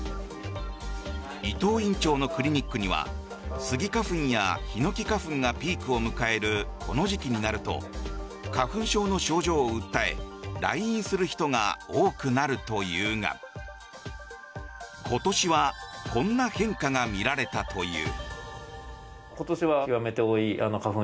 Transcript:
伊東院長のクリニックにはスギ花粉やヒノキ花粉がピークを迎えるこの時期になると花粉症の症状を訴え来院する人が多くなるというが今年はこんな変化が見られたという。